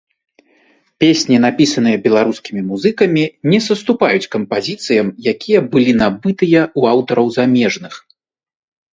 Песні, напісаныя беларускімі музыкамі, не саступаюць кампазіцыям, якія былі набытыя ў аўтараў замежных.